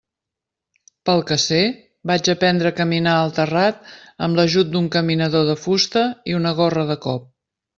Pel que sé, vaig aprendre a caminar al terrat amb l'ajut d'un caminador de fusta i d'una gorra de cop.